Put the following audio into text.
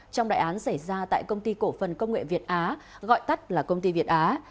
trong đại án xảy ra tại công ty cổ phần công nghệ việt á gọi tắt là công ty việt á